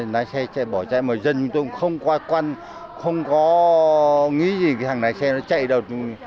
nói xe chạy bỏ chạy mà dân chúng tôi không qua quan không có nghĩ gì cái thằng này xe nó chạy đâu